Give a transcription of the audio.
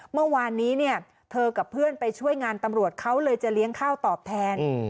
เมื่อวานนี้เนี่ยเธอกับเพื่อนไปช่วยงานตำรวจเขาเลยจะเลี้ยงข้าวตอบแทน